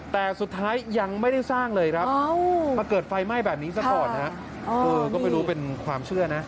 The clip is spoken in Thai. แต่สุดท้ายยังไม่ได้สร้างเลยครับมาเกิดไฟไหม้แบบนี้ซะก่อนฮะก็ไม่รู้เป็นความเชื่อนะ